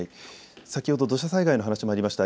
先ほど土砂災害の話もありました